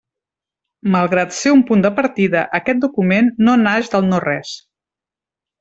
Malgrat ser un punt de partida, aquest document no naix del no-res.